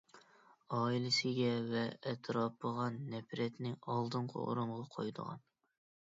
ئائىلىسىگە ۋە ئەتراپىغا نەپرەتنى ئالدىنقى ئورۇنغا قويىدىغان.